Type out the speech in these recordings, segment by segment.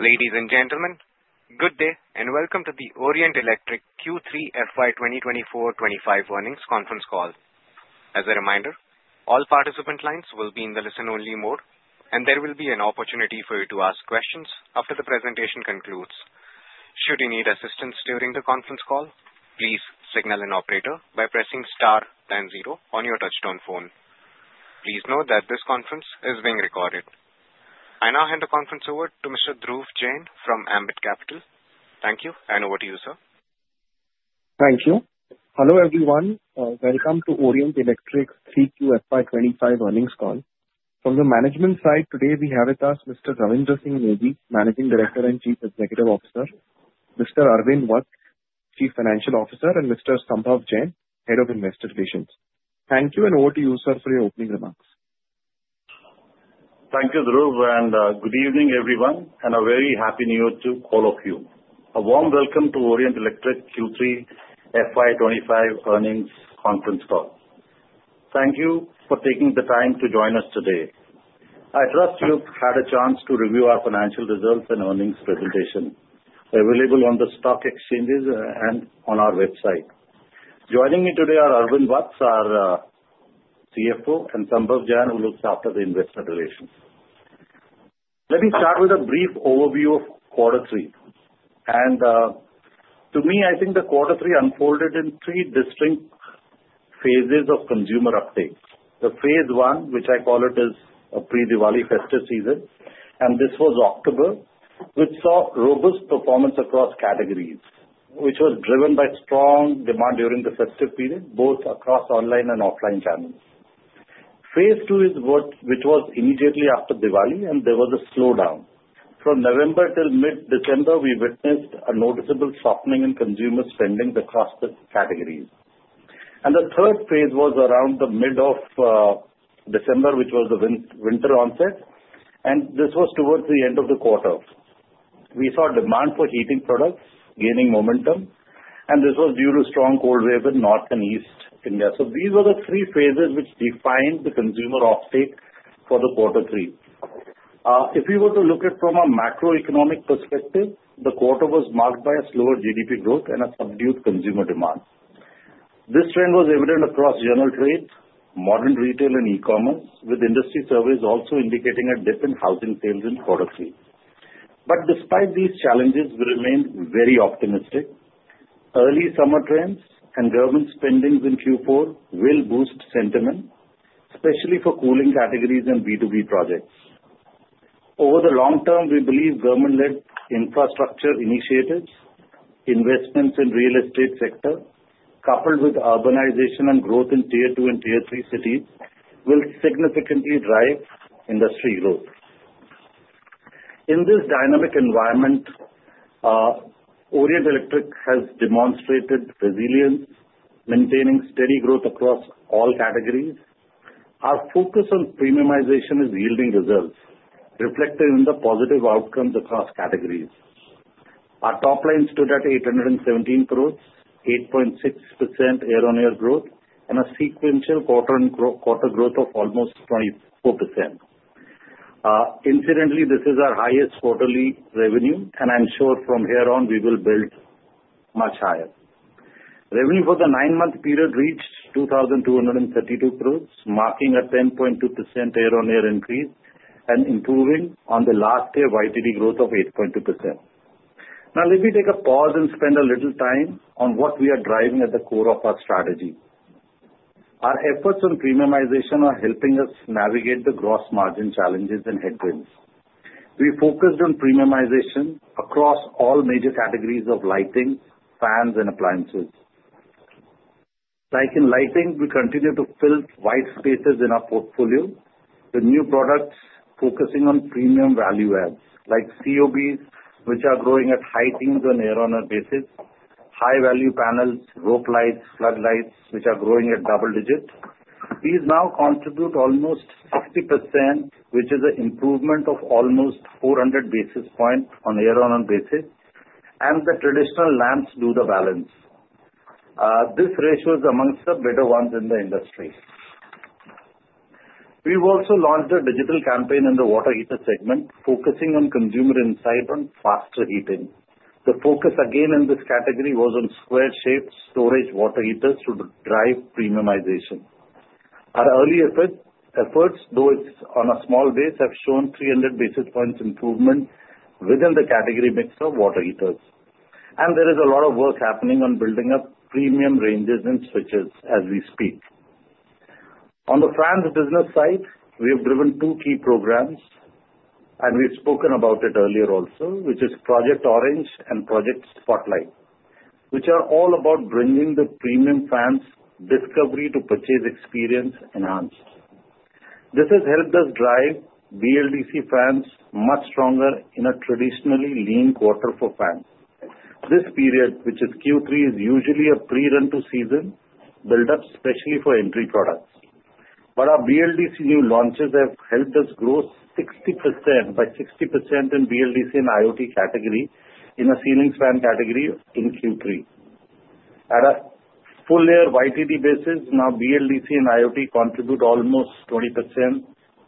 Ladies and gentlemen, good day and welcome to the Orient Electric Q3 FY 2024-25 earnings conference call. As a reminder, all participant lines will be in the listen-only mode, and there will be an opportunity for you to ask questions after the presentation concludes. Should you need assistance during the conference call, please signal an operator by pressing star then zero on your touchtone phone. Please note that this conference is being recorded. I now hand the conference over to Mr. Dhruv Jain from Ambit Capital. Thank you. I now hand over to you, sir. Thank you. Hello everyone. Welcome to Orient Electric Q3 FY 25 earnings call. From the management side, today we have with us Mr. Ravindra Singh Negi, Managing Director and Chief Executive Officer. Mr. Arvind Vats, Chief Financial Officer. And Mr. Sankalp Jain, Head of Investor Relations. Thank you and over to you, sir, for your opening remarks. Thank you, Dhruv, and good evening everyone, and a very happy New Year to all of you. A warm welcome to Orient Electric Q3 FY 25 earnings conference call. Thank you for taking the time to join us today. I trust you've had a chance to review our financial results and earnings presentation available on the stock exchanges and on our website. Joining me today are Arvind Vats, our CFO, and Sankalp Jain, who looks after the investor relations. Let me start with a brief overview of Q3, and to me, I think the Q3 unfolded in three distinct phases of consumer uptake. The phase one, which I call it, is pre-Diwali festive season, and this was October, which saw robust performance across categories, which was driven by strong demand during the festive period, both across online and offline channels. phase two is what was immediately after Diwali, and there was a slowdown. From November till mid-December, we witnessed a noticeable softening in consumer spending across the categories, and the third phase was around the middle of December, which was the winter onset, and this was towards the end of the quarter. We saw demand for heating products gaining momentum, and this was due to strong cold waves in North and East India, so these were the three phases which defined the consumer offtake for the Q3. If we were to look at it from a macroeconomic perspective, the quarter was marked by a slower GDP growth and a subdued consumer demand. This trend was evident across general trade, modern retail, and e-commerce, with industry surveys also indicating a dip in housing sales in Q3, but despite these challenges, we remained very optimistic. Early summer trends and government spending in Q4 will boost sentiment, especially for cooling categories and B2B projects. Over the long term, we believe government-led infrastructure initiatives, investments in the real estate sector, coupled with urbanization and growth in Tier 2 and Tier 3 cities, will significantly drive industry growth. In this dynamic environment, Orient Electric has demonstrated resilience, maintaining steady growth across all categories. Our focus on premiumization is yielding results, reflected in the positive outcomes across categories. Our top line stood at 817 crores, 8.6% year-on-year growth, and a sequential quarter-on-quarter growth of almost 24%. Incidentally, this is our highest quarterly revenue, and I'm sure from here on we will build much higher. Revenue for the nine-month period reached 2,232 crores, marking a 10.2% year-on-year increase and improving on the last year YTD growth of 8.2%. Now, let me take a pause and spend a little time on what we are driving at the core of our strategy. Our efforts on premiumization are helping us navigate the gross margin challenges and headwinds. We focused on premiumization across all major categories of lighting, fans, and appliances. Like in lighting, we continue to fill white spaces in our portfolio with new products focusing on premium value adds like COBs, which are growing at high teens on a year-on-year basis, high-value panels, rope lights, floodlights, which are growing at double digits. These now contribute almost 60%, which is an improvement of almost 400 basis points on a year-on-year basis, and the traditional lamps do the balance. This ratio is among the better ones in the industry. We've also launched a digital campaign in the water heater segment, focusing on consumer insight on faster heating. The focus again in this category was on square-shaped storage water heaters to drive premiumization. Our earlier efforts, though it's on a small base, have shown 300 basis points improvement within the category mix of water heaters. And there is a lot of work happening on building up premium ranges and switches as we speak. On the fans business side, we have driven two key programs, and we've spoken about it earlier also, which is Project Orange and Project Spotlight, which are all about bringing the premium fans' discovery-to-purchase experience enhanced. This has helped us drive BLDC fans much stronger in a traditionally lean quarter for fans. This period, which is Q3, is usually a pre-run-to-season build-up, especially for entry products. But our BLDC new launches have helped us grow 60% by 60% in BLDC and IoT category in a ceiling fan category in Q3. At a full-year YTD basis, now BLDC and IoT contribute almost 20%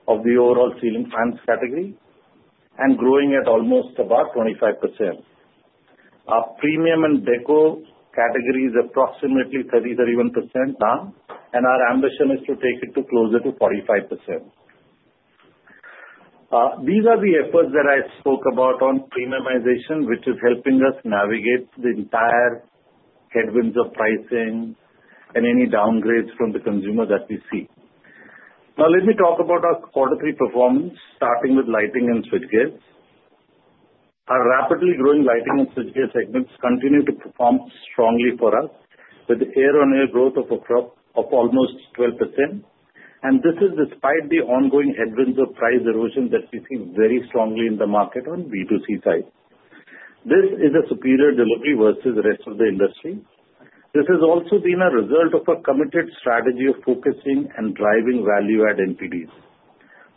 of the overall ceiling fans category and growing at almost about 25%. Our premium and deco category is approximately 30-31%. Now, and our ambition is to take it closer to 45%. These are the efforts that I spoke about on premiumization, which is helping us navigate the entire headwinds of pricing and any downgrades from the consumer that we see. Now, let me talk about our Q3 performance, starting with lighting and switchgears. Our rapidly growing lighting and switchgear segments continue to perform strongly for us with the year-on-year growth of almost 12%. And this is despite the ongoing headwinds of price erosion that we see very strongly in the market on B2C side. This is a superior delivery versus the rest of the industry. This has also been a result of a committed strategy of focusing and driving value-add entities.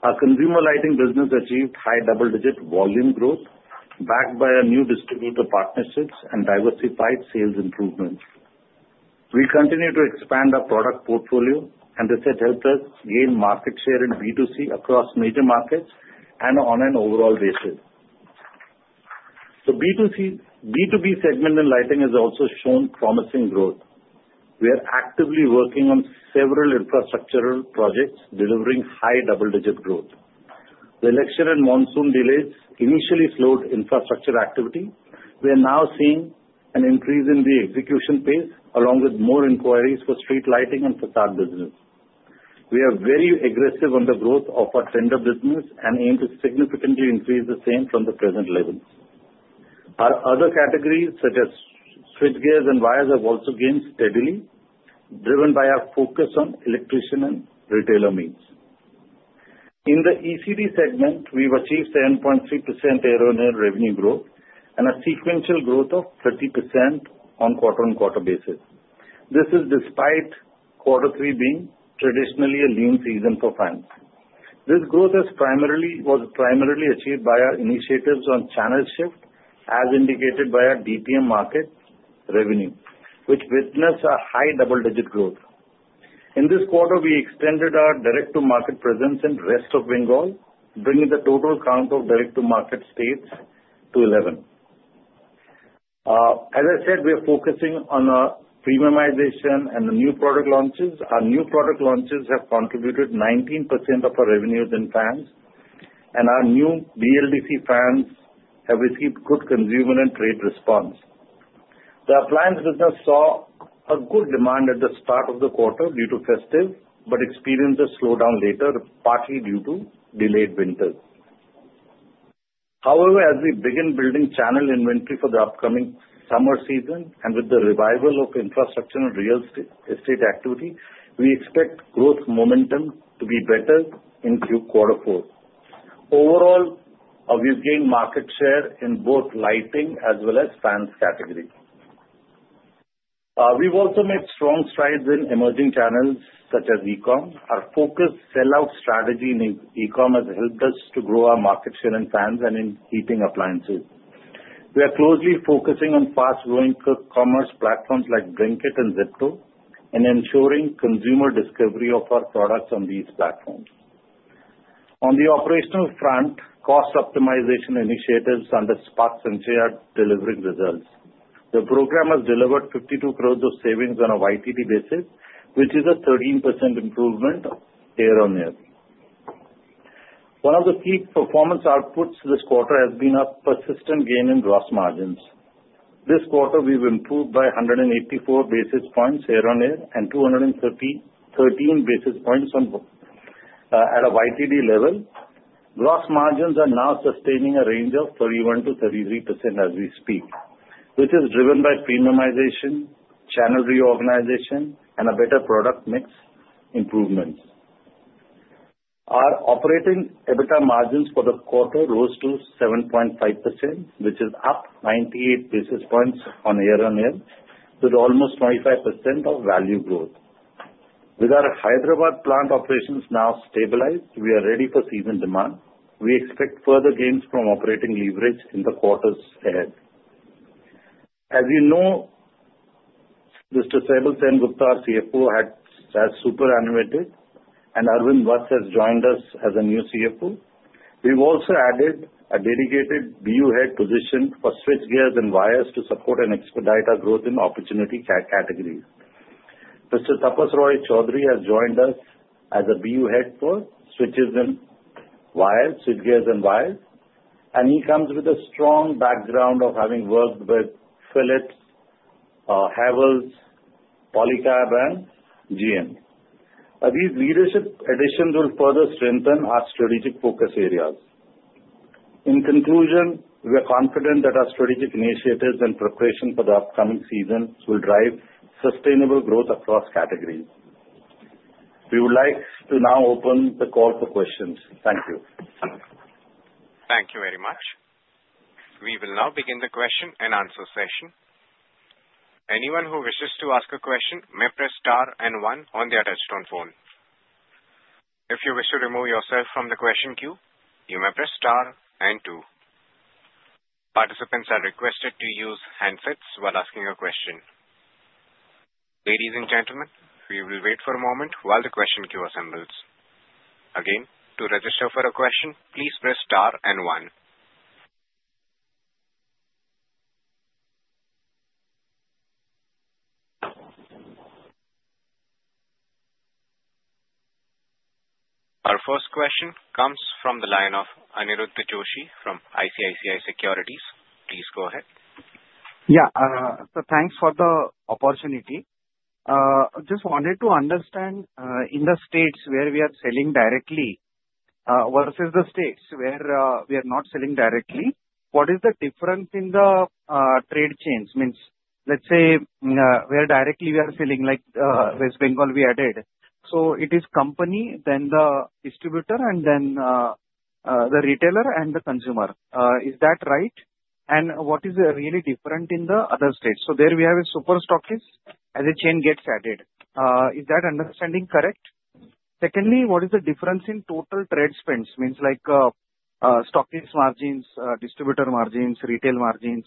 Our consumer lighting business achieved high double-digit volume growth backed by our new distributor partnerships and diversified sales improvements. We continue to expand our product portfolio, and this has helped us gain market share in B2C across major markets and on an overall basis. The B2B segment in lighting has also shown promising growth. We are actively working on several infrastructural projects, delivering high double-digit growth. The election and monsoon delays initially slowed infrastructure activity. We are now seeing an increase in the execution pace, along with more inquiries for street lighting and facade business. We are very aggressive on the growth of our tender business and aim to significantly increase the same from the present level. Our other categories, such as switchgears and wires, have also gained steadily, driven by our focus on electrician and retailer needs. In the ECD segment, we've achieved 7.3% year-on-year revenue growth and a sequential growth of 30% on quarter-on-quarter basis. This is despite Q3 being traditionally a lean season for fans. This growth was primarily achieved by our initiatives on channel shift, as indicated by our DTM market revenue, which witnessed a high double-digit growth. In this quarter, we extended our direct-to-market presence in the rest of Bengal, bringing the total count of direct-to-market states to 11. As I said, we are focusing on premiumization and the new product launches. Our new product launches have contributed 19% of our revenues in fans, and our new BLDC fans have received good consumer and trade response. The appliance business saw a good demand at the start of the quarter due to festive, but experienced a slowdown later, partly due to delayed winter. However, as we begin building channel inventory for the upcoming summer season and with the revival of infrastructure and real estate activity, we expect growth momentum to be better in Q4. Overall, we've gained market share in both lighting as well as fans category. We've also made strong strides in emerging channels such as e-com. Our focused sell-out strategy in e-com has helped us to grow our market share in fans and in heating appliances. We are closely focusing on fast-growing commerce platforms like Blinkit and Zepto and ensuring consumer discovery of our products on these platforms. On the operational front, cost optimization initiatives under Sparks and Share are delivering results. The program has delivered 52 crores of savings on a YTD basis, which is a 13% improvement year-on-year. One of the key performance outputs this quarter has been a persistent gain in gross margins. This quarter, we've improved by 184 basis points year-on-year and 213 basis points at a YTD level. Gross margins are now sustaining a range of 31%-33% as we speak, which is driven by premiumization, channel reorganization, and a better product mix improvement. Our operating EBITDA margins for the quarter rose to 7.5%, which is up 98 basis points on year-on-year, with almost 25% of value growth. With our Hyderabad plant operations now stabilized, we are ready for season demand. We expect further gains from operating leverage in the quarters ahead. As you know, Mr. Saibal Sengupta, our CFO, has superannuated, and Arvind Vats has joined us as a new CFO. We've also added a dedicated BU head position for switchgears and wires to support and expedite our growth in opportunity categories. Mr. Tapas Roy Choudhury has joined us as a BU head for switches and wires, switchgears and wires, and he comes with a strong background of having worked with Philips, Havells, Polycab, and GM. These leadership additions will further strengthen our strategic focus areas. In conclusion, we are confident that our strategic initiatives and preparation for the upcoming seasons will drive sustainable growth across categories. We would like to now open the call for questions. Thank you. Thank you very much. We will now begin the question and answer session. Anyone who wishes to ask a question may press star and one on the touch-tone phone. If you wish to remove yourself from the question queue, you may press star and two. Participants are requested to use handsets while asking a question. Ladies and gentlemen, we will wait for a moment while the question queue assembles. Again, to register for a question, please press star and one. Our first question comes from the line of Aniruddh Joshi from ICICI Securities. Please go ahead. Yeah, so thanks for the opportunity. I just wanted to understand in the states where we are selling directly versus the states where we are not selling directly, what is the difference in the trade chains? Means, let's say where directly we are selling, like West Bengal we added. So it is company, then the distributor, and then the retailer and the consumer. Is that right? And what is really different in the other states? So there we have a super stockist as a chain gets added. Is that understanding correct? Secondly, what is the difference in total trade spends? I mean, like stockist margins, distributor margins, retail margins,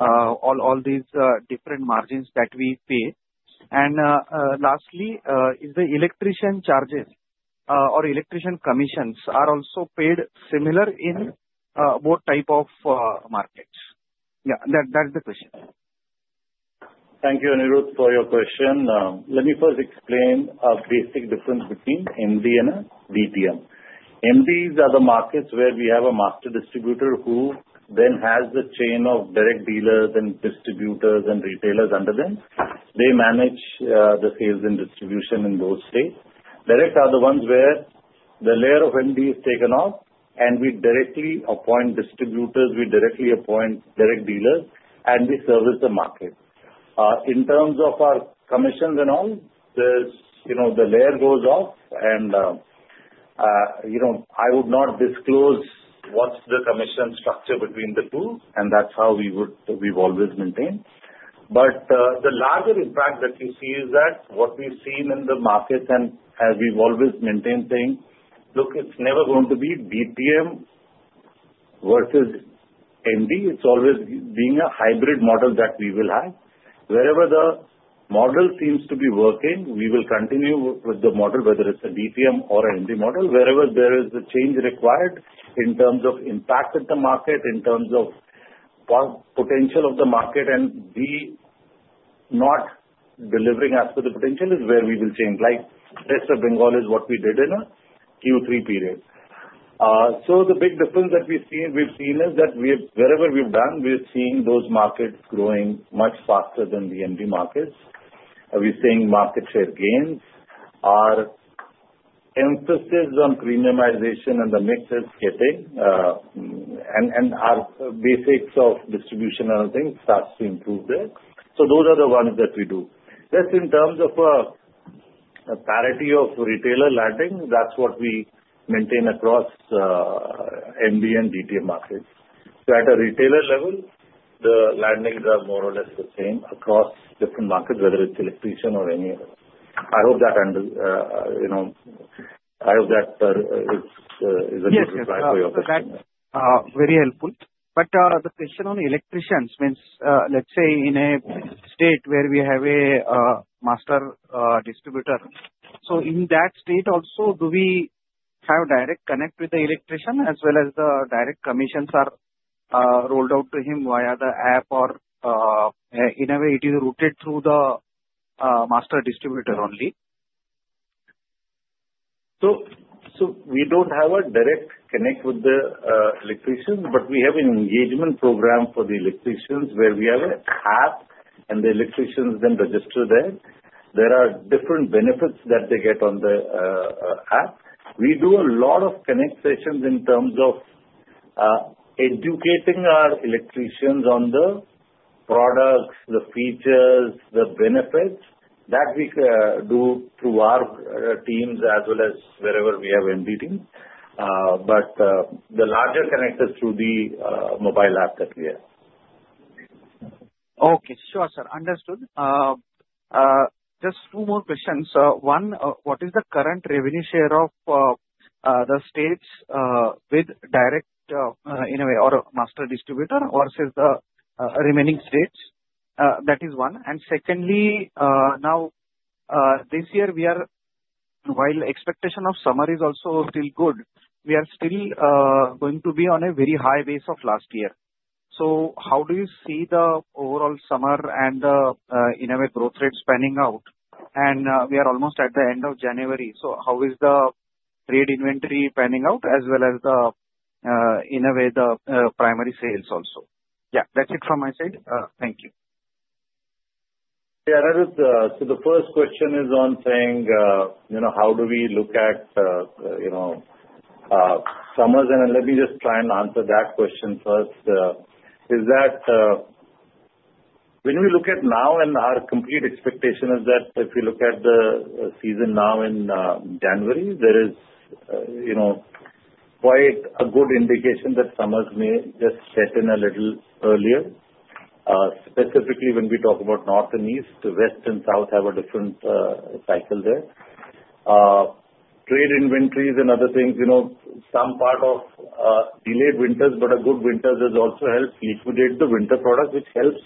all these different margins that we pay. And lastly, is the electrician charges or electrician commissions also paid similar in both types of markets? Yeah, that's the question. Thank you, Aniruddh, for your question. Let me first explain a basic difference between MD and DPM. MDs are the markets where we have a master distributor who then has the chain of direct dealers and distributors and retailers under them. They manage the sales and distribution in those states. Direct are the ones where the layer of MD is taken off, and we directly appoint distributors, we directly appoint direct dealers, and we service the market. In terms of our commissions and all, the layer goes off, and I would not disclose what's the commission structure between the two, and that's how we've always maintained. But the larger impact that you see is that what we've seen in the markets and as we've always maintained saying, "Look, it's never going to be DPM versus MD. It's always being a hybrid model that we will have." Wherever the model seems to be working, we will continue with the model, whether it's a DPM or an MD model. Wherever there is a change required in terms of impact at the market, in terms of potential of the market, and we not delivering as per the potential is where we will change. Like, rest of Bengal is what we did in a Q3 period. So the big difference that we've seen is that wherever we've done, we've seen those markets growing much faster than the MD markets. We're seeing market share gains. Our emphasis on premiumization and the mix is getting, and our basics of distribution and everything starts to improve there. So those are the ones that we do. That's in terms of parity of retailer landing. That's what we maintain across MD and DTM markets. So at a retailer level, the landings are more or less the same across different markets, whether it's electrician or any other. I hope that is a good reply for your question. Very helpful. But the question on electricians means, let's say in a state where we have a master distributor, so in that state also, do we have a direct connect with the electrician as well as the direct commissions are rolled out to him via the app or in a way it is routed through the master distributor only? So we don't have a direct connect with the electricians, but we have an engagement program for the electricians where we have an app, and the electricians then register there. There are different benefits that they get on the app. We do a lot of connect sessions in terms of educating our electricians on the products, the features, the benefits that we do through our teams as well as wherever we have MD teams. But the larger connect is through the mobile app that we have. Okay. Sure, sir. Understood. Just two more questions. One, what is the current revenue share of the states with DTM or master distributor versus the remaining states? That is one. And secondly, now this year, while expectation of summer is also still good, we are still going to be on a very high base of last year. So how do you see the overall summer and the growth rate panning out? And we are almost at the end of January. So how is the trade inventory panning out as well as the primary sales also? Yeah, that's it from my side. Thank you. Yeah, that is the first question is on saying how do we look at summers? And let me just try and answer that question first. When we look at now, our complete expectation is that if we look at the season now in January, there is quite a good indication that summers may just set in a little earlier. Specifically, when we talk about North and East, West and South have a different cycle there. Trade inventories and other things, some part of delayed winters, but a good winters has also helped liquidate the winter products, which helps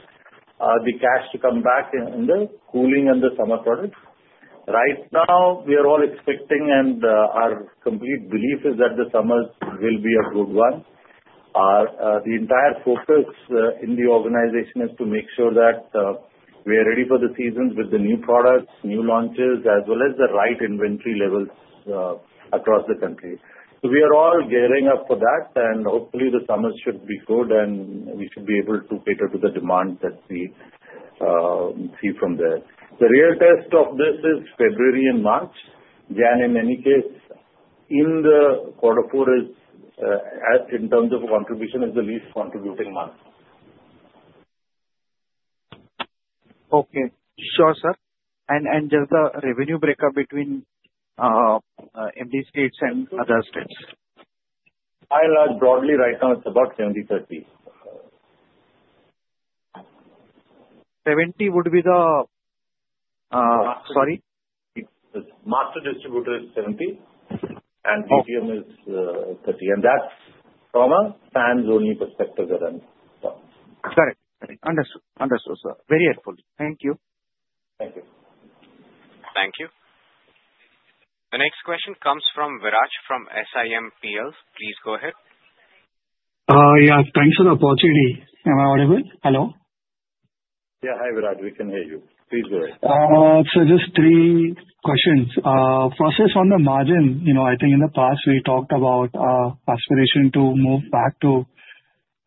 the cash to come back in the cooling and the summer products. Right now, we are all expecting and our complete belief is that the summers will be a good one. The entire focus in the organization is to make sure that we are ready for the seasons with the new products, new launches, as well as the right inventory levels across the country. So we are all gearing up for that, and hopefully the summers should be good, and we should be able to cater to the demand that we see from there. The real test of this is February and March. January, in any case, in the quarter four, in terms of contribution, is the least contributing month. Okay. Sure, sir. And just the revenue breakup between MD states and other states? By and large, broadly right now, it's about 70/30. 70 would be the, sorry? Master distributor is 70, and DTM is 30. And that's from a fans-only perspective that I'm talking. Correct. Understood. Understood, sir. Very helpful. Thank you. Thank you. Thank you. The next question comes from Viraj from SiMPL. Please go ahead. Yeah, thanks for the opportunity. Am I audible? Hello? Yeah, hi Viraj. We can hear you. Please go ahead. So just three questions. First is on the margin. I think in the past, we talked about aspiration to move back to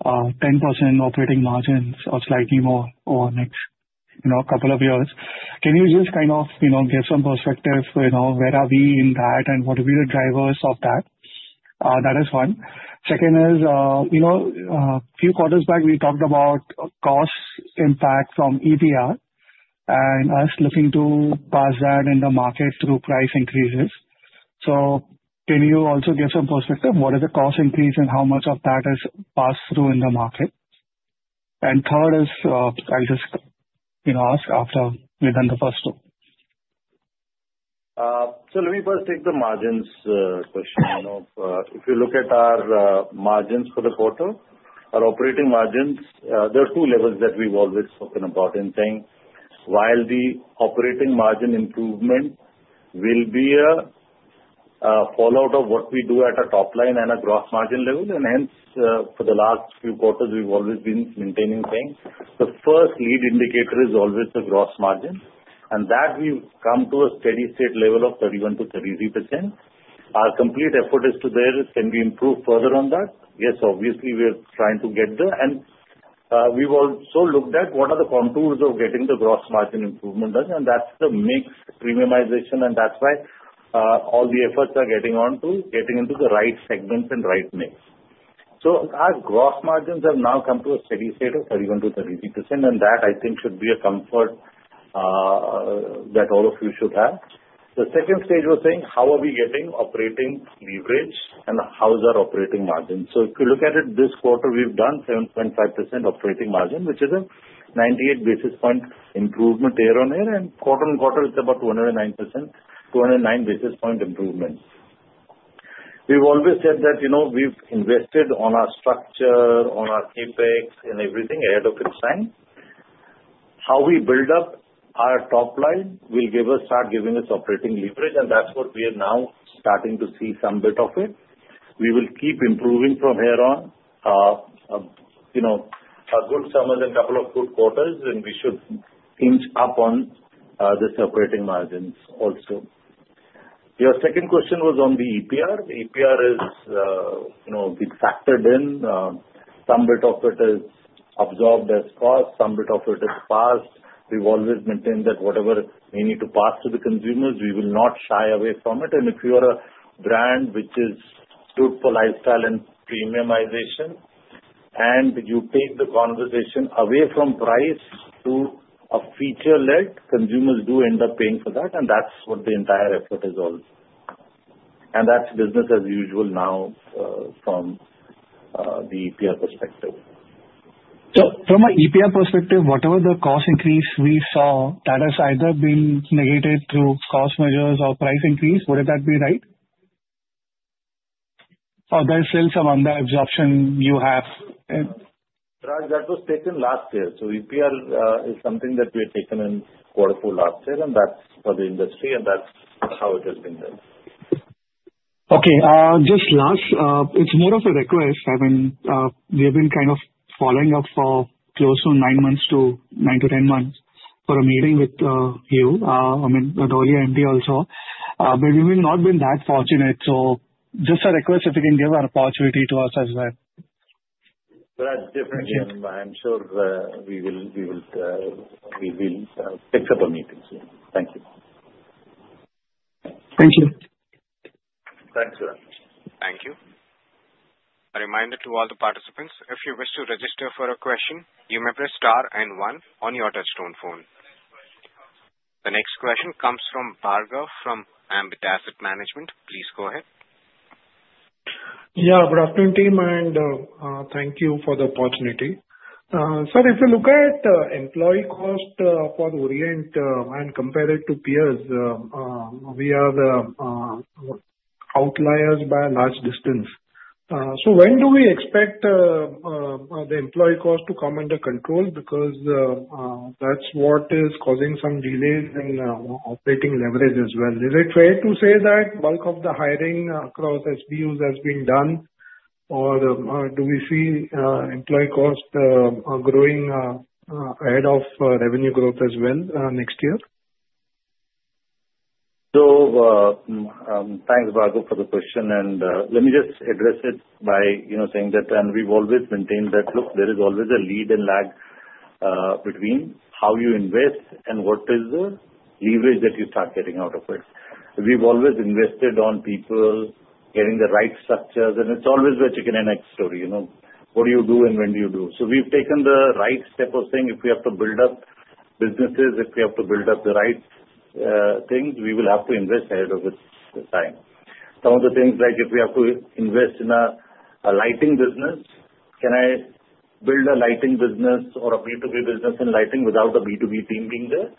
10% operating margins or slightly more over the next couple of years. Can you just kind of give some perspective? Where are we in that, and what are the drivers of that? That is one. Second is, a few quarters back, we talked about cost impact from EPR and us looking to pass that in the market through price increases. So can you also give some perspective? What is the cost increase, and how much of that has passed through in the market? And third is, I'll just ask after we've done the first two. So let me first take the margins question. If you look at our margins for the quarter, our operating margins, there are two levels that we've always spoken about in saying while the operating margin improvement will be a fallout of what we do at a top line and a gross margin level and hence, for the last few quarters, we've always been maintaining saying the first lead indicator is always the gross margin and that we've come to a steady state level of 31%-33%. Our complete effort is to there. Can we improve further on that? Yes, obviously, we're trying to get there and we've also looked at what are the contours of getting the gross margin improvement done and that's the mix premiumization and that's why all the efforts are getting on to getting into the right segments and right mix. Our gross margins have now come to a steady state of 31%-33%. And that, I think, should be a comfort that all of you should have. The second stage was saying, how are we getting operating leverage, and how is our operating margin? So if you look at it, this quarter, we've done 7.5% operating margin, which is a 98 basis point improvement year on year. And quarter on quarter, it's about 209 basis points, 209 basis point improvement. We've always said that we've invested on our structure, on our Apex, and everything ahead of its time. How we build up our top line will start giving us operating leverage. And that's what we are now starting to see some bit of it. We will keep improving from here on. A good summer is a couple of good quarters, and we should inch up on the operating margins also. Your second question was on the EPR. EPR is factored in. Some bit of it is absorbed as cost. Some bit of it is passed. We've always maintained that whatever we need to pass to the consumers, we will not shy away from it. And if you are a brand which is stood for lifestyle and premiumization, and you take the conversation away from price to a feature-led, consumers do end up paying for that. And that's what the entire effort is all. And that's business as usual now from the EPR perspective. So from an EPR perspective, whatever the cost increase we saw, that has either been negated through cost measures or price increase. Wouldn't that be right? Or there's still some under-absorption you have? That was taken last year. So EPR is something that we had taken in quarter four last year, and that's for the industry, and that's how it has been done. Okay. Just last, it's more of a request. I mean, we have been kind of following up for close to nine to 10 months for a meeting with you. I mean, our MD also. But we've not been that fortunate. So just a request if you can give an opportunity to us as well. That's different. I'm sure we will pick up a meeting. Thank you. Thank you. Thanks, sir. Thank you. A reminder to all the participants, if you wish to register for a question, you may press star and one on your touch-tone phone. The next question comes from Bhargav from Ambit Asset Management. Please go ahead. Yeah, good afternoon, team. Thank you for the opportunity. So if you look at employee cost for Orient and compare it to peers, we are the outliers by a large distance. So when do we expect the employee cost to come under control? Because that's what is causing some delays in operating leverage as well. Is it fair to say that bulk of the hiring across SBUs has been done, or do we see employee cost growing ahead of revenue growth as well next year? So thanks, Bhargav, for the question. And let me just address it by saying that, and we've always maintained that look, there is always a lead and lag between how you invest and what is the leverage that you start getting out of it. We've always invested on people getting the right structures, and it's always the chicken and egg story. What do you do, and when do you do? We've taken the right step of saying if we have to build up businesses, if we have to build up the right things, we will have to invest ahead of it. Some of the things like if we have to invest in a lighting business, can I build a lighting business or a B2B business in lighting without a B2B team being there?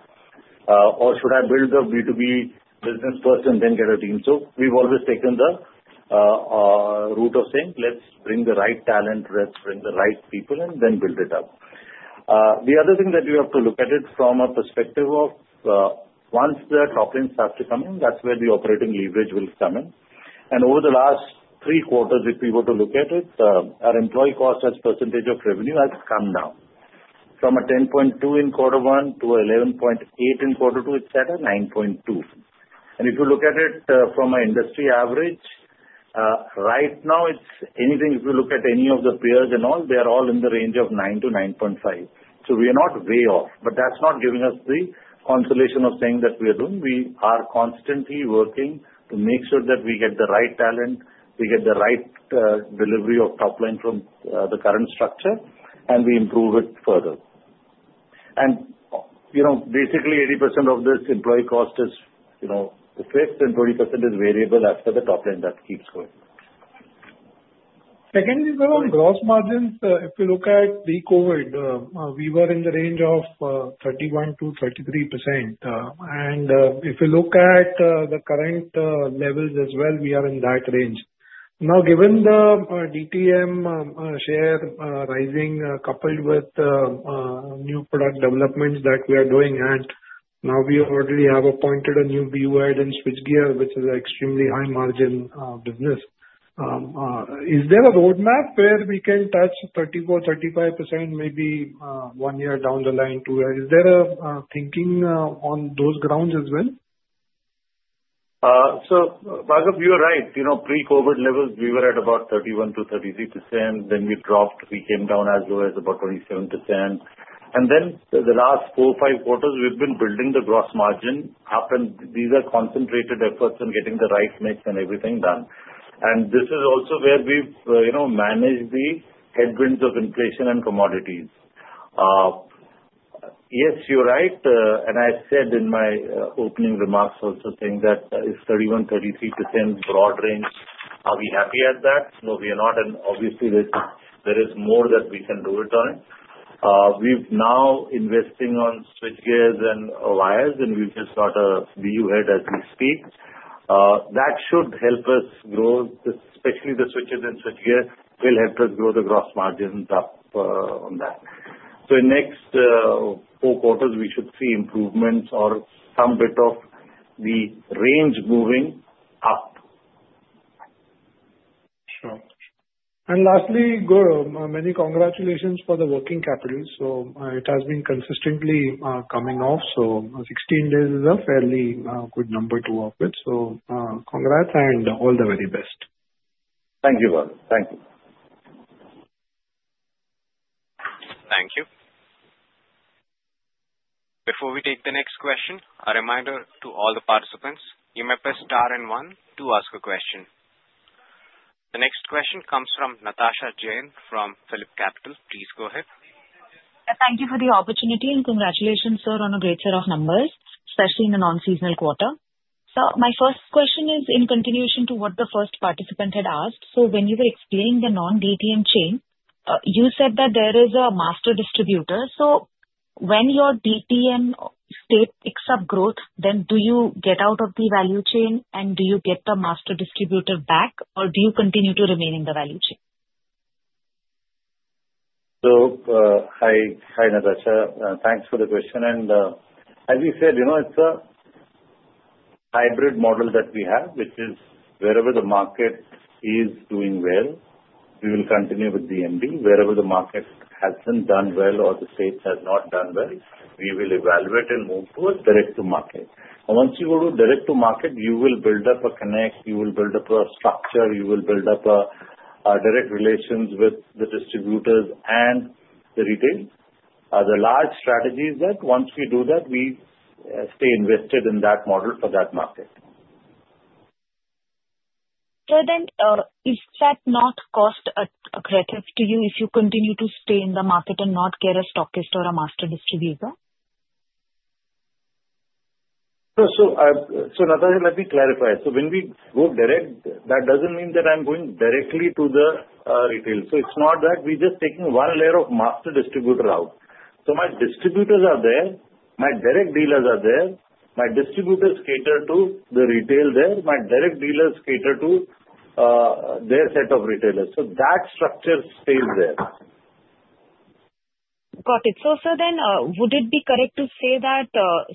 Or should I build a B2B business first and then get a team? We've always taken the route of saying, let's bring the right talent, let's bring the right people, and then build it up. The other thing that you have to look at it from a perspective of once the top line starts to come in, that's where the operating leverage will come in. And over the last three quarters, if you were to look at it, our employee cost as percentage of revenue has come down from a 10.2% in quarter one to 11.8% in quarter two; it's at a 9.2%. And if you look at it from an industry average, right now, it's anything if you look at any of the peers and all; they are all in the range of 9%-9.5%. So we are not way off, but that's not giving us the consolation of saying that we are doing. We are constantly working to make sure that we get the right talent, we get the right delivery of top line from the current structure, and we improve it further. And basically, 80% of this employee cost is fixed, and 20% is variable after the top line that keeps going. Second, if you go on gross margins, if you look at the COVID, we were in the range of 31%-33%. And if you look at the current levels as well, we are in that range. Now, given the DTM share rising coupled with new product developments that we are doing, and now we already have appointed a new BU Head and Switchgear, which is an extremely high margin business, is there a roadmap where we can touch 34%-35%, maybe one year down the line, two years? Is there a thinking on those grounds as well? Bhargav, you are right. Pre-COVID levels, we were at about 31%-33%. Then we dropped. We came down as low as about 27%. And then the last four, five quarters, we've been building the gross margin up. And these are concentrated efforts in getting the right mix and everything done. This is also where we've managed the headwinds of inflation and commodities. Yes, you're right. I said in my opening remarks also saying that it's 31%-33% broad range. Are we happy at that? No, we are not. Obviously, there is more that we can do it on. We've now invested on Switchgears and Wires, and we've just got a BU-head as we speak. That should help us grow, especially the switches and Switchgear will help us grow the gross margins up on that. In the next four quarters, we should see improvements or some bit of the range moving up. Sure. Lastly, many congratulations for the working capital. It has been consistently coming off. 16 days is a fairly good number to work with. Congrats and all the very best. Thank you, Bhargav. Thank you. Thank you. Before we take the next question, a reminder to all the participants, you may press star and one to ask a question. The next question comes from Natasha Jain from PhillipCapital. Please go ahead. Thank you for the opportunity and congratulations, sir, on a great set of numbers, especially in a non-seasonal quarter. So my first question is in continuation to what the first participant had asked. So when you were explaining the non-DTM chain, you said that there is a master distributor. So when your DTM state picks up growth, then do you get out of the value chain and do you get the master distributor back, or do you continue to remain in the value chain? So hi, Natasha. Thanks for the question. As you said, it's a hybrid model that we have, which is wherever the market is doing well, we will continue with the MD. Wherever the market hasn't done well or the state has not done well, we will evaluate and move towards direct-to-market. Once you go to direct-to-market, you will build up a connect. You will build up a structure. You will build up direct relations with the distributors and the retail. The large strategy is that once we do that, we stay invested in that model for that market. So then, is that not cost-aggressive to you if you continue to stay in the market and not get a stockist or a master distributor? So Natasha, let me clarify. So when we go direct, that doesn't mean that I'm going directly to the retail. So it's not that we're just taking one layer of master distributor out. So my distributors are there. My direct dealers are there. My distributors cater to the retail there. My direct dealers cater to their set of retailers. So that structure stays there. Got it. So then, would it be correct to say that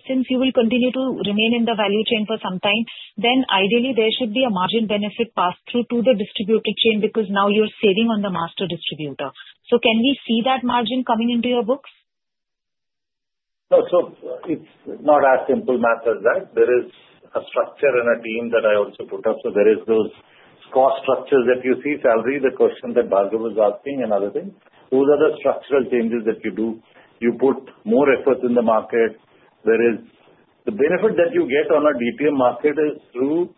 since you will continue to remain in the value chain for some time, then ideally, there should be a margin benefit passed through to the distributor chain because now you're saving on the master distributor? So can we see that margin coming into your books? So it's not as simple matters, right? There is a structure and a team that I also put up. So there are those cost structures that you see. Saibal, the question that Bhargav was asking and other things, those are the structural changes that you do. You put more effort in the market. The benefit that you get on a DTM market is through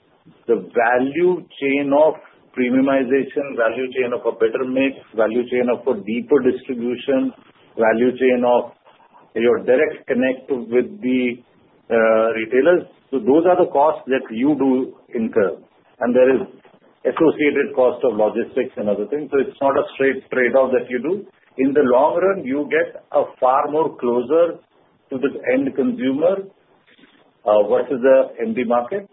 the value chain of premiumization, value chain of a better mix, value chain of a deeper distribution, value chain of your direct connect with the retailers. So those are the costs that you do incur. And there is associated cost of logistics and other things. So it's not a straight trade-off that you do. In the long run, you get a far more closer to the end consumer versus the MD market.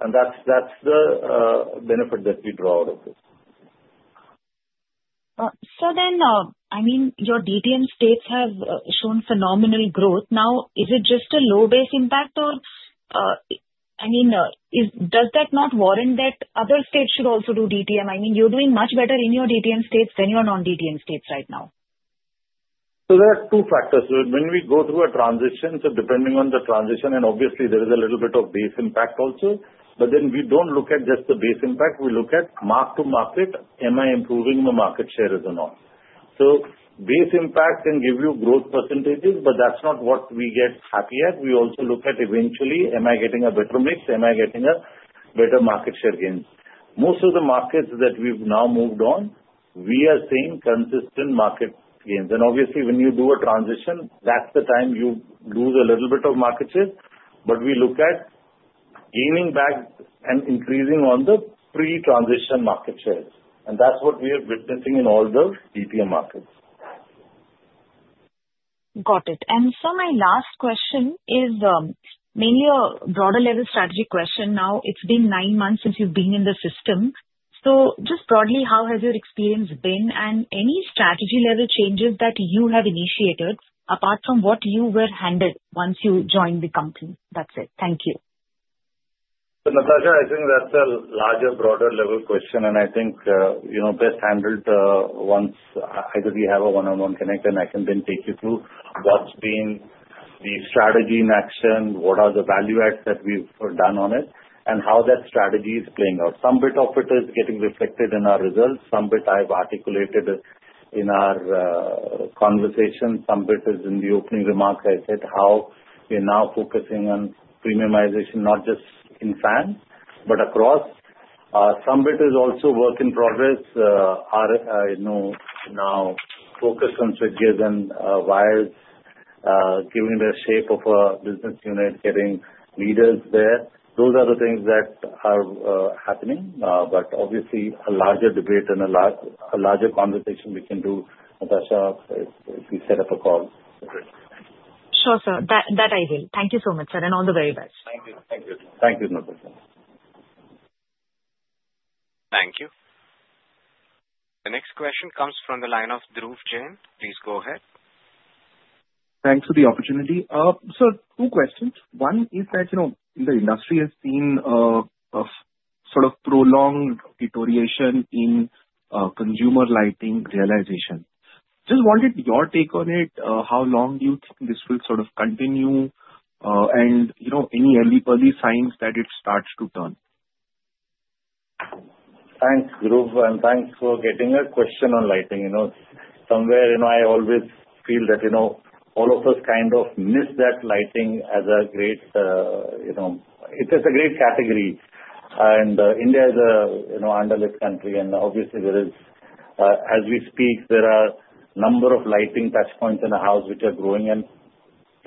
And that's the benefit that we draw out of it. So then, I mean, your DTM states have shown phenomenal growth. Now, is it just a low-based impact, or I mean, does that not warrant that other states should also do DTM? I mean, you're doing much better in your DTM states than your non-DTM states right now. So there are two factors. When we go through a transition, so depending on the transition, and obviously, there is a little bit of base impact also. But then we don't look at just the base impact. We look at mark-to-market. Am I improving the market share as a whole? So base impact can give you growth percentages, but that's not what we get happy at. We also look at eventually, am I getting a better mix? Am I getting a better market share gain? Most of the markets that we've now moved on, we are seeing consistent market gains. And obviously, when you do a transition, that's the time you lose a little bit of market share. But we look at gaining back and increasing on the pre-transition market share. And that's what we are witnessing in all the DTM markets. Got it. My last question is mainly a broader level strategy question. Now, it's been nine months since you've been in the system. So just broadly, how has your experience been and any strategy level changes that you have initiated apart from what you were handled once you joined the company? That's it. Thank you. So Natasha, I think that's a larger, broader level question. And I think best handled once either we have a one-on-one connect, and I can then take you through what's been the strategy in action, what are the value adds that we've done on it, and how that strategy is playing out. Some bit of it is getting reflected in our results. Some bit I've articulated in our conversation. Some bit is in the opening remarks I said how we're now focusing on premiumization, not just in fans, but across. Some bit is also work in progress. Now focused on Switchgears and Wires, giving the shape of a business unit, getting leaders there. Those are the things that are happening. But obviously, a larger debate and a larger conversation we can do, Natasha, if we set up a call. Sure, sir. That I will. Thank you so much, sir, and all the very best. Thank you. Thank you. Thank you, Natasha. Thank you. The next question comes from the line of Dhruv Jain. Please go ahead. Thanks for the opportunity. So two questions. One is that the industry has seen a sort of prolonged deterioration in consumer lighting realization. Just wanted your take on it. How long do you think this will sort of continue and any early, early signs that it starts to turn? Thanks, Dhruv, and thanks for getting a question on lighting. Somewhere, I always feel that all of us kind of miss that lighting as a great it is a great category. And India is an underlit country. And obviously, as we speak, there are a number of lighting touchpoints in the house which are growing. And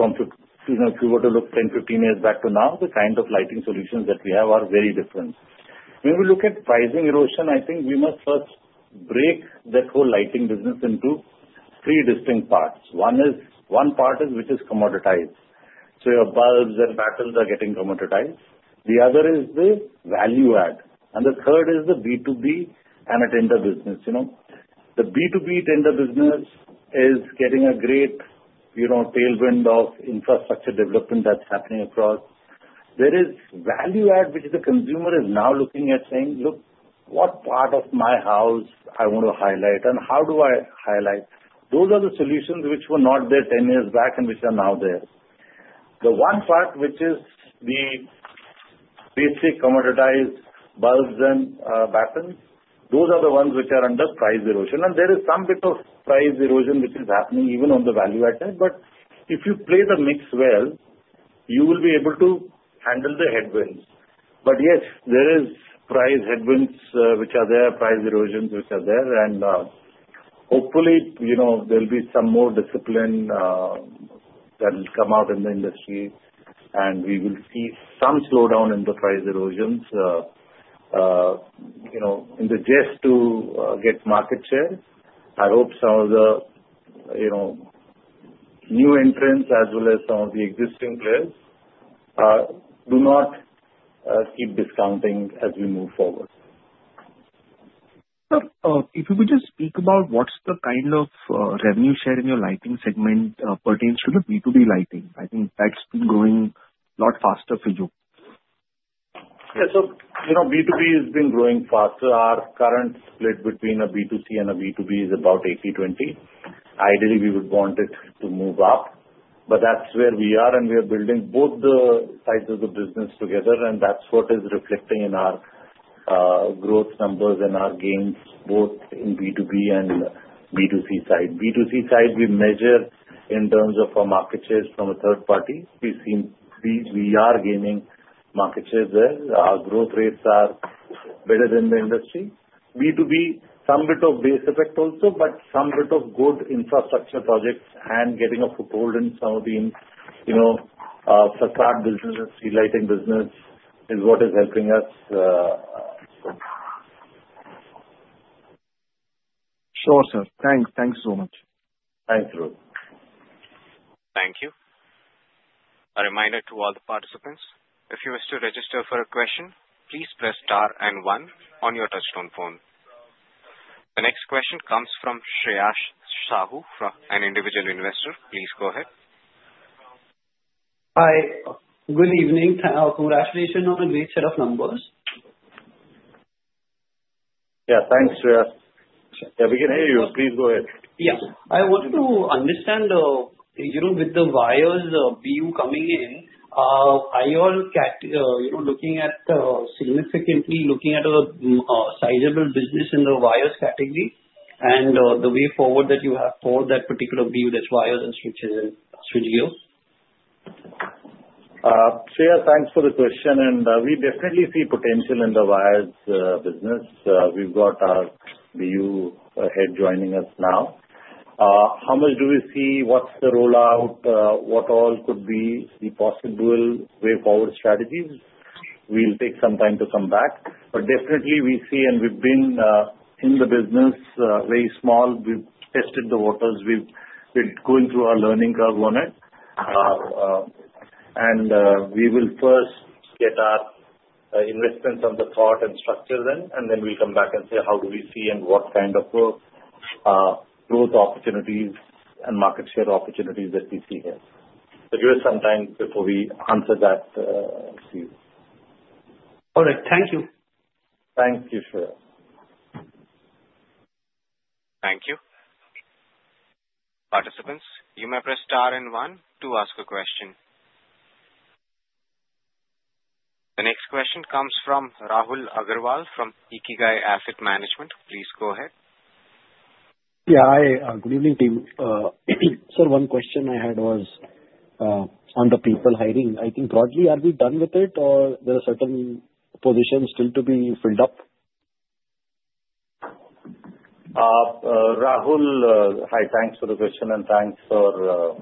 if you were to look 10, 15 years back to now, the kind of lighting solutions that we have are very different. When we look at pricing erosion, I think we must first break that whole lighting business into three distinct parts. One part is which is commoditized. So your bulbs and battens are getting commoditized. The other is the value add. And the third is the B2B and a tender business. The B2B tender business is getting a great tailwind of infrastructure development that's happening across. There is value add, which the consumer is now looking at saying, "Look, what part of my house I want to highlight, and how do I highlight?" Those are the solutions which were not there 10 years back and which are now there. The one part, which is the basic commoditized bulbs and batten lights, those are the ones which are under price erosion. And there is some bit of price erosion which is happening even on the value add side. But if you play the mix well, you will be able to handle the headwinds. But yes, there is price headwinds which are there, price erosions which are there. And hopefully, there'll be some more discipline that will come out in the industry, and we will see some slowdown in the price erosions. In the quest to get market share, I hope some of the new entrants as well as some of the existing players do not keep discounting as we move forward. If you would just speak about what's the kind of revenue share in your lighting segment that pertains to the B2B lighting? I think that's been growing a lot faster for you. Yeah. So B2B has been growing faster. Our current split between a B2C and a B2B is about 80/20. Ideally, we would want it to move up. But that's where we are, and we are building both the sides of the business together, and that's what is reflecting in our growth numbers and our gains, both in B2B and B2C side. B2C side, we measure in terms of our market shares from a third party. We are gaining market shares there. Our growth rates are better than the industry. B2B, some bit of base effect also, but some bit of good infrastructure projects and getting a foothold in some of the facade business, relighting business is what is helping us. Sure, sir. Thanks. Thanks so much. Thanks, Dhruv. Thank you. A reminder to all the participants. If you wish to register for a question, please press star and one on your touch-tone phone. The next question comes from Shreyash Sahu from an individual investor. Please go ahead. Hi. Good evening. Congratulations on a great set of numbers. Yeah. Thanks, Shreyash. Yeah, we can hear you. Please go ahead. Yeah. I want to understand with the Wires BU coming in, are you all looking at significantly looking at a sizable business in the Wires category and the way forward that you have for that particular BU, that's Wires and Switchgears? Shreyash, thanks for the question. And we definitely see potential in the Wires business. We've got our BU head joining us now. How much do we see? What's the rollout? What all could be the possible way forward strategies? We'll take some time to come back. But definitely, we see, and we've been in the business, very small. We've tested the waters. We're going through our learning curve on it. And we will first get our investments on the thought and structure then, and then we'll come back and say, "How do we see and what kind of growth opportunities and market share opportunities that we see here?" So give us some time before we answer that. All right. Thank you. Thank you, Shreyash. Thank you. Participants, you may press star and one to ask a question. The next question comes from Rahul Agarwal from Ikigai Asset Management. Please go ahead. Yeah. Good evening, team. Sir, one question I had was on the people hiring. I think broadly, are we done with it, or there are certain positions still to be filled up? Rahul, hi, thanks for the question, and thanks for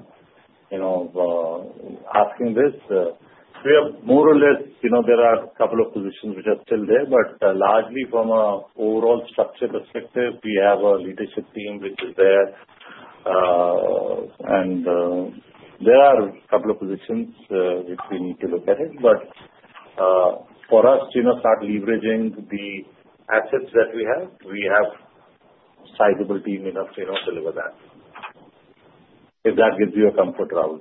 asking this. We are more or less there are a couple of positions which are still there. But largely, from an overall structure perspective, we have a leadership team which is there. And there are a couple of positions which we need to look at it. But for us to start leveraging the assets that we have, we have a sizable team enough to deliver that. If that gives you a comfort, Rahul.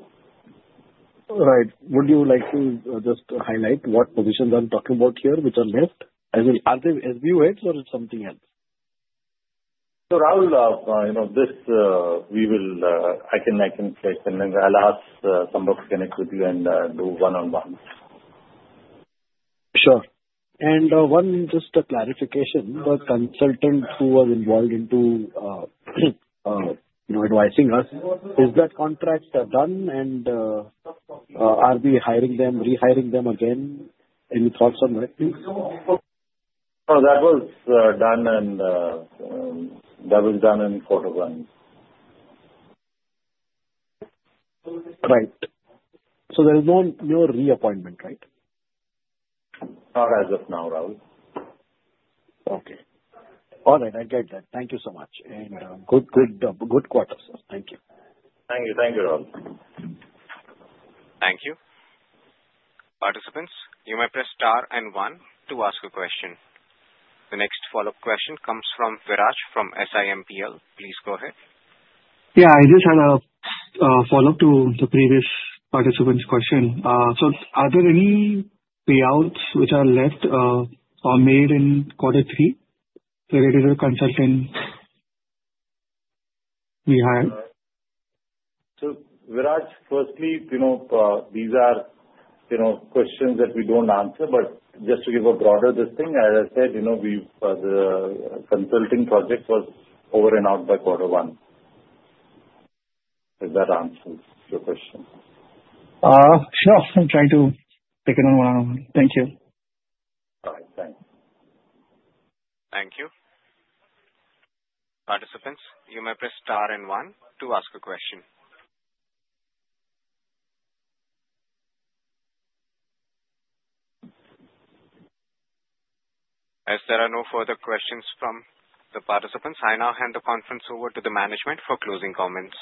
Right. Would you like to just highlight what positions I'm talking about here which are left? Are they SBU heads or it's something else? So Rahul, this we will I can play. And then I'll ask some folks to connect with you and do one-on-ones. Sure. And just a clarification, the consultant who was involved in advising us, is that contract done? And are we hiring them, rehiring them again? Any thoughts on that? That was done, and that was done in quarter one. Right. So there is no reappointment, right? Not as of now, Rahul. Okay. All right. I get that. Thank you so much. And good quarter, sir. Thank you. Thank you. Thank you, Rahul. Thank you. Participants, you may press star and one to ask a question. The next follow-up question comes from Viraj from SiMPL. Please go ahead. Yeah. I just had a follow-up to the previous participant's question. So are there any payouts which are left or made in quarter three related to the consultant we hired? So Viraj, firstly, these are questions that we don't answer. But just to give a broader thing, as I said, the consulting project was over and out by quarter one. If that answers your question. Sure. I'll try to take it on one-on-one. Thank you. All right. Thanks. Thank you. Participants, you may press star and one to ask a question. As there are no further questions from the participants, I now hand the conference over to the management for closing comments.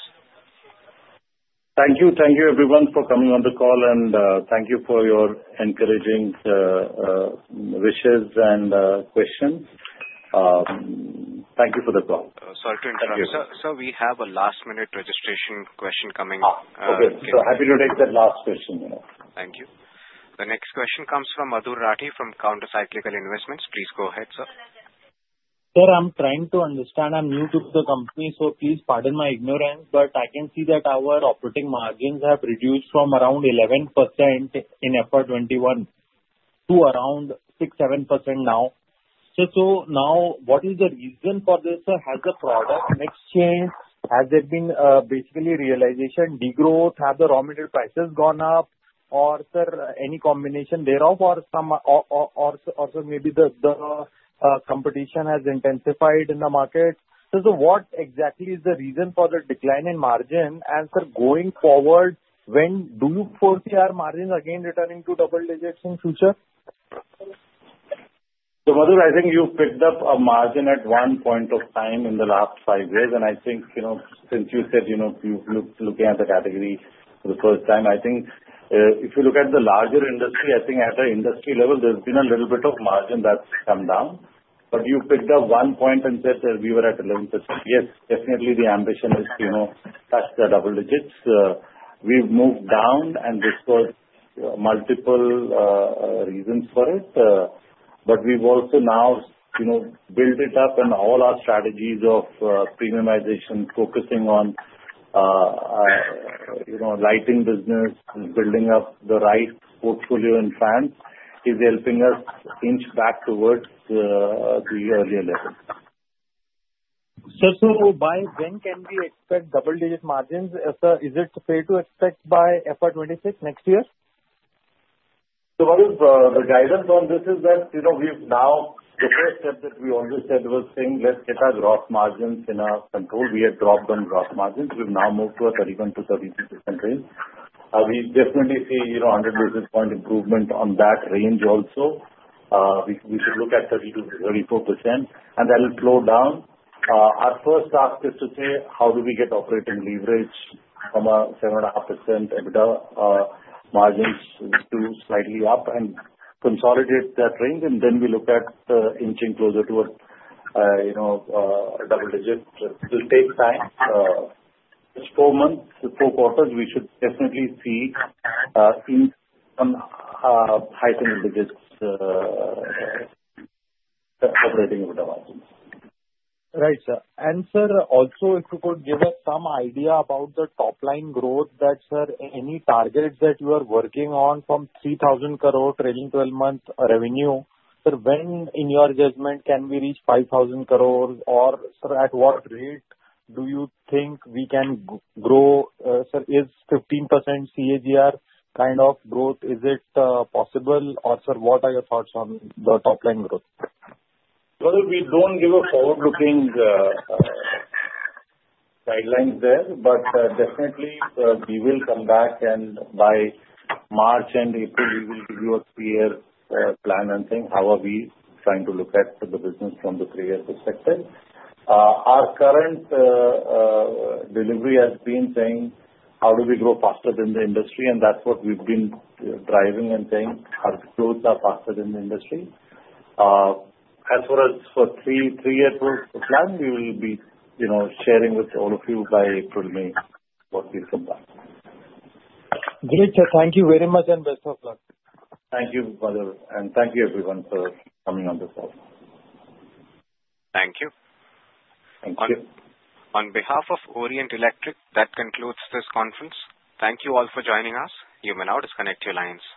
Thank you. Thank you, everyone, for coming on the call. And thank you for your encouraging wishes and questions. Thank you for the call. Sorry to interrupt. Sir, we have a last-minute registration question coming. Okay. So happy to take that last question. Thank you. The next question comes from Madhur Rathi from Counter Cyclical Investments. Please go ahead, sir. Sir, I'm trying to understand. I'm new to the company. So please pardon my ignorance. But I can see that our operating margins have reduced from around 11% in FY21 to around 6-7% now. So now, what is the reason for this? Has the product mix changed? Has there been basically realization degrowth? Have the raw material prices gone up? Or, sir, any combination thereof? Or maybe the competition has intensified in the market? So what exactly is the reason for the decline in margin? And, sir, going forward, when do you foresee our margins again returning to double digits in future? So, Madhur, I think you picked up a margin at one point of time in the last five years. And I think since you said you're looking at the category for the first time, I think if you look at the larger industry, I think at an industry level, there's been a little bit of margin that's come down. You picked up one point and said that we were at 11%. Yes, definitely, the ambition is to touch the double digits. We've moved down, and this was multiple reasons for it. But we've also now built it up. And all our strategies of premiumization, focusing on lighting business, building up the right portfolio in fans, is helping us inch back towards the earlier level. Sir, so by when can we expect double-digit margins? Sir, is it fair to expect by FY26 next year? So the guidance on this is that we've now the first step that we always said was, "Let's get our gross margins in our control." We had dropped on gross margins. We've now moved to a 31%-32% range. We definitely see 100 basis point improvement on that range also. We should look at 32%-34%. And that will slow down. Our first task is to say, "How do we get operating leverage from a 7.5% EBITDA margin to slightly up and consolidate that range?" And then we look at inching closer towards a double-digit. It will take time. It's four months, four quarters. We should definitely see high single-digit operating EBITDA margins. Right, sir. And, sir, also, if you could give us some idea about the top-line growth that, sir, any targets that you are working on from 3,000 crore trailing 12-month revenue, sir, when in your judgment can we reach 5,000 crore? Or, sir, at what rate do you think we can grow? Sir, is 15% CAGR kind of growth, is it possible? Or, sir, what are your thoughts on the top-line growth? Well, we don't give a forward-looking guideline there, but definitely, we will come back. And by March and April, we will give you a three-year plan and think how are we trying to look at the business from the three-year perspective. Our current delivery has been saying, "How do we grow faster than the industry?" And that's what we've been driving and saying, "How to grow faster than the industry?" As far as for three-year growth plan, we will be sharing with all of you by April, May, what we've come back. Great. Thank you very much and best of luck. Thank you, Madhur. And thank you, everyone, for coming on the call. Thank you. Thank you. On behalf of Orient Electric, that concludes this conference. Thank you all for joining us. You may now disconnect your lines.